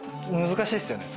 難しいですよね